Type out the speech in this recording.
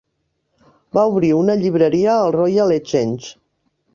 Va obrir una llibreria al Royal Exchange.